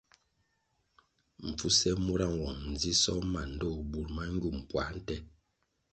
Mpfuse mura nwong ndzisoh ma ndtoh bur ma ngywum puā nte.